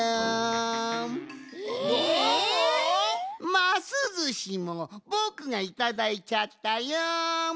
ますずしもぼくがいただいちゃったよん。